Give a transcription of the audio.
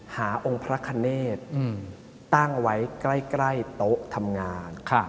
องค์พระคเนธตั้งไว้ใกล้โต๊ะทำงาน